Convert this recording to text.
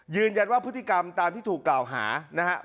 ยืนยันว่าพฤติกรรมตามที่ถูกกล่าวหานะครับ